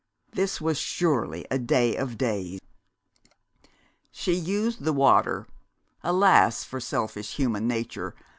This was surely a day of days! She used the water alas for selfish human nature!